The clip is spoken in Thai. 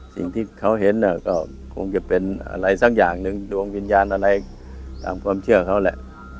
สิ่งที่เขาเห็นก็คงจะเป็นอะไรสักอย่างหนึ่งดวงวิญญาณอะไรตามความเชื่อเขาแหละ